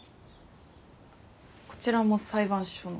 こちらも裁判所の？